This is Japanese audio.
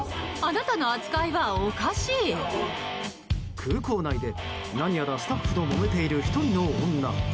空港内で、何やらスタッフともめている１人の女。